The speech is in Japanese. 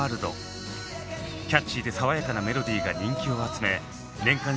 キャッチーで爽やかなメロディーが人気を集め年間